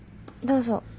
どうぞ。